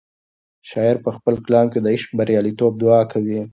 شاعر په خپل کلام کې د عشق د بریالیتوب دعا کوي.